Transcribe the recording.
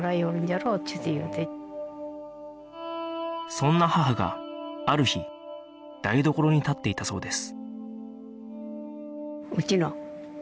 そんな母がある日台所に立っていたそうです